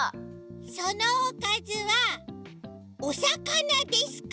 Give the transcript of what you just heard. そのおかずはおさかなですか？